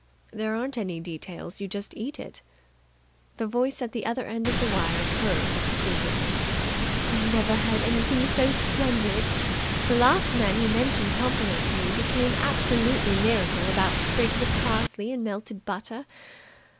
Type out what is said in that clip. "There aren't any details. You just eat it." The voice at the other end of the wire purred with approval. "I never heard anything so splendid. The last man who mentioned pompano to me became absolutely lyrical about sprigs of parsley and melted butter.